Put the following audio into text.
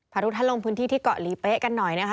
พาทุกท่านลงพื้นที่ที่เกาะหลีเป๊ะกันหน่อยนะคะ